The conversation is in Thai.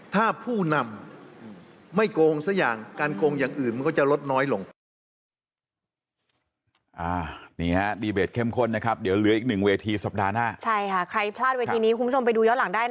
ถ้าผู้นำไม่โกงสักอย่างการโกงอย่างอื่นมันก็จะลดน้อยลงไป